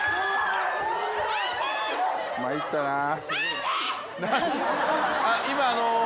参ったなぁ。